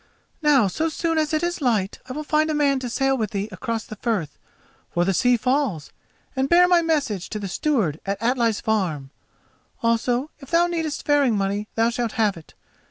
Now, so soon as it is light, I will find a man to sail with thee across the Firth, for the sea falls, and bear my message to the steward at Atli's farm. Also if thou needest faring money thou shalt have it.